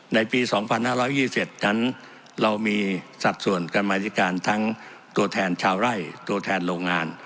ในปี๒๕๒๑นั้นเรามีสัดส่วนกรรมธิการทั้งตัวแทนชาวไร่ตัวแทนโรงงาน